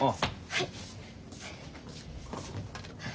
はい。